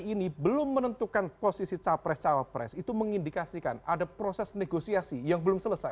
ini belum menentukan posisi capres cawapres itu mengindikasikan ada proses negosiasi yang belum selesai